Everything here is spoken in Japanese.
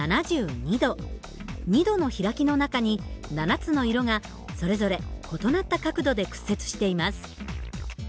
２度の開きの中に７つの色がそれぞれ異なった角度で屈折しています。